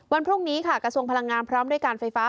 วันพรุ่งนี้ค่ะกระทรวงพลังงานพร้อมด้วยการไฟฟ้า